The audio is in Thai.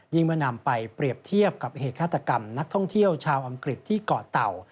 เมื่อนำไปเปรียบเทียบกับเหตุฆาตกรรมนักท่องเที่ยวชาวอังกฤษที่เกาะเต่า